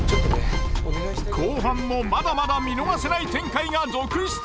後半もまだまだ見逃せない展開が続出！